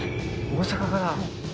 大阪から。